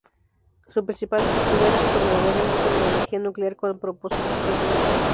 Su principal objetivo es promover el uso de la energía nuclear con propósitos pacíficos.